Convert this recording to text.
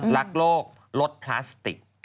รักโลกลดพลาสติก